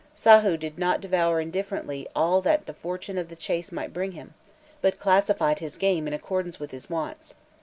Sahû did not devour indifferently all that the fortune of the chase might bring him, but classified his game in accordance with his wants.